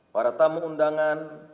para tamu undangan